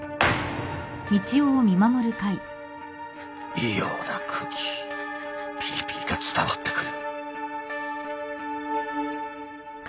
「異様な空気」「ピリピリが伝わってくる」